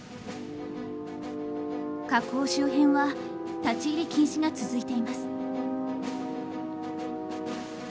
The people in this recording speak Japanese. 火口周辺は立ち入り禁止が続いています。